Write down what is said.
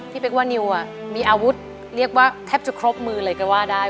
เป๊กว่านิวมีอาวุธเรียกว่าแทบจะครบมือเลยก็ว่าได้